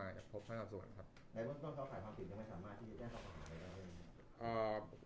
แล้วเมื่อต้นเขาขายความผิดยังไม่สามารถที่จะแจ้งความผิดให้เขาได้มั้ย